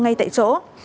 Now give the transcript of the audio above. ngay tại chỗ